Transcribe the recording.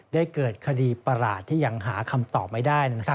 ได้เกิดคดีประหลาดที่ยังหาคำตอบไม่ได้